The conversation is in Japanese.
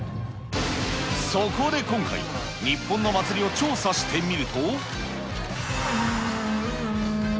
そこで今回、日本の祭りを調査してみると。